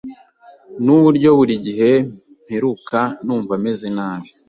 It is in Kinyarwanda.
Nuburyo burigihe mperuka numva meze nabi